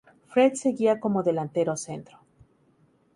Fred seguía como delantero centro.